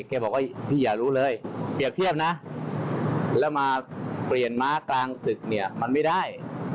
แกบอกว่าพี่อย่ารู้เลยเปรียบเทียบนะแล้วมาเปลี่ยนม้ากลางศึกเนี่ยมันไม่ได้